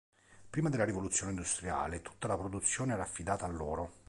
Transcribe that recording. Prima della rivoluzione industriale tutta la produzione era affidata a loro.